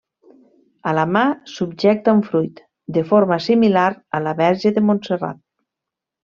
A la mà subjecta un fruit, de forma similar a la Verge de Montserrat.